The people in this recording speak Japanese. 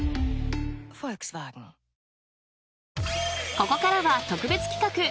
ここからは特別企画。